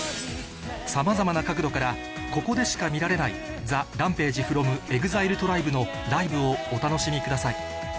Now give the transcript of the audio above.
さまざまな角度からここでしか見られないＴＨＥＲＡＭＰＡＧＥｆｒｏｍＥＸＩＬＥＴＲＩＢＥのライブをお楽しみください